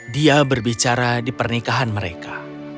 dia berbicara di pernikahan mereka